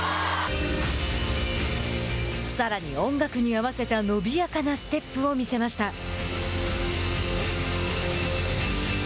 さらに、音楽に合わせた伸びやかなステップを見せました。